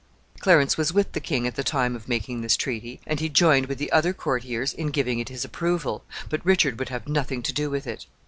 Clarence was with the king at the time of making this treaty, and he joined with the other courtiers in giving it his approval, but Richard would have nothing to do with it.